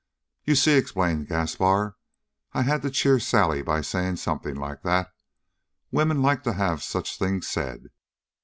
"You see," explained Gaspar, "I had to cheer Sally by saying something like that. Women like to have such things said.